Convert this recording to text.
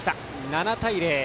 ７対０。